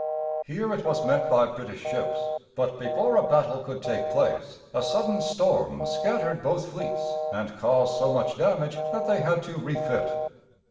Here it was met by British ships; but before a battle could take place, a sudden storm scattered both fleets, and caused so much damage that they had to refit.